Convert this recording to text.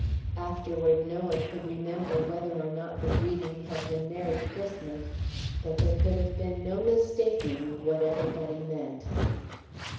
Afterward, no one could remember whether or not the greeting had been "Merry Christmas," but there could have been no mistaking what everybody meant.